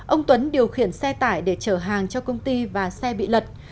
ông tuấn điều khiển xe tải để chở hàng cho công ty và xe bị lật